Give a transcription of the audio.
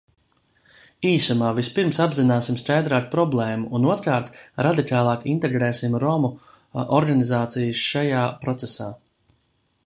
Īsumā, vispirms apzināsim skaidrāk problēmu un, otrkārt, radikālāk integrēsim romu organizācijas šajā procesā.